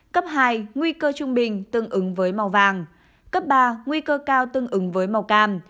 cấp hai nguy cơ trung bình tương ứng với màu vàng cấp ba nguy cơ cao tương ứng với màu cam